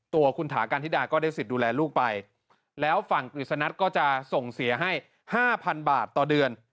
ตัวคุณถากันธิดาก็ได้สิทธิ์ดูแลลูกไปแล้วฝั่งกฤษณะก็จะส่งเสียให้๕๐๐๐บาทต่อเดือน